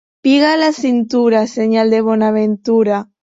Piga a la cintura, senyal de bonaventura.